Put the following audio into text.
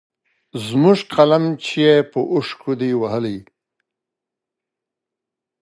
زموږ قلم چي يې په اوښکو دی وهلی